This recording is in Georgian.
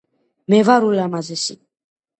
მე ვარ ულამაზესი